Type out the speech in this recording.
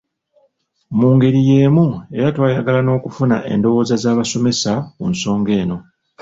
Mu ngeri y'emu era twayagala n'okufuna endowooza z'abasomesa ku nsonga eno.